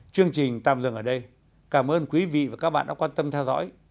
chương trình tạm dừng ở đây cảm ơn quý vị và các bạn đã quan tâm theo dõi